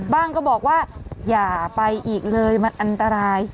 ก็บอกว่าอย่าไปอีกเลยมันอันตราย